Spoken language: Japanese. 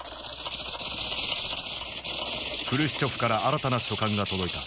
フルシチョフから新たな書簡が届いた。